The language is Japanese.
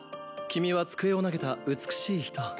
君は机を投げた美しい人。